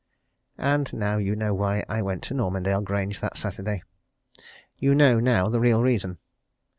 And now you know why I went to Normandale Grange that Saturday you know, now, the real reason.